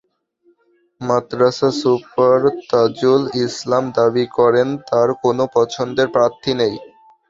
মাদ্রাসা super Tajul Islam দাবি করেন, তাঁর কোনো পছন্দের প্রার্থী নেই।